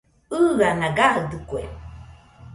ɨana gaɨdɨkue